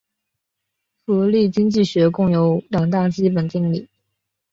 福利经济学共有两大基本定理。